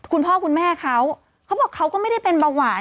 คุณพ่อคุณแม่เขาเขาบอกเขาก็ไม่ได้เป็นเบาหวาน